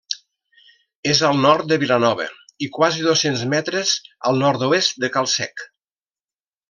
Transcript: És al nord de Vilanova i quasi dos-cents metres al nord-oest de Cal Sec.